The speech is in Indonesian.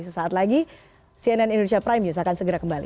sesaat lagi cnn indonesia prime news akan segera kembali